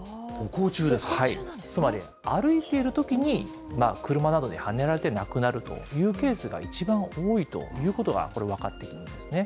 つまり歩いているときに、車などにはねられて亡くなるというケースが一番多いということが、これ、分かっているんですね。